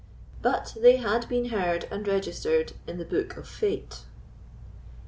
But they had been heard and registered in the book of fate.